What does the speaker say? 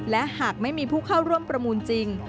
และหากไม่มีผู้เข้าร่วมประมูลจริง